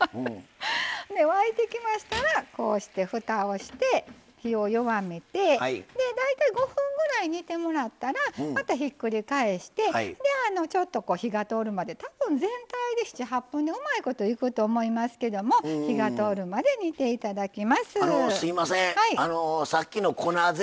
沸いてきましたらふたをして、火を弱めて大体５分ぐらい煮てもらったらまたひっくり返してちょっと火が通るまでたぶん、全体で７８分でうまいこといくと思いますけども火が通るまで煮ていただきます。